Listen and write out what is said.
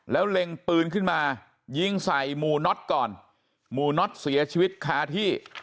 แล้วเล็งปืนขึ้นมายิงใส่หมู่น็อตก่อนหมู่น็อตเสียชีวิตคาที่